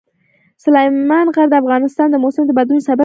سلیمان غر د افغانستان د موسم د بدلون سبب کېږي.